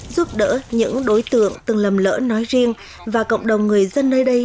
giúp đỡ những đối tượng từng lầm lỡ nói riêng và cộng đồng người dân nơi đây